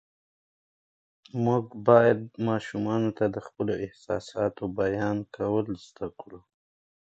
موږ باید ماشومانو ته د خپلو احساساتو بیان کول زده کړو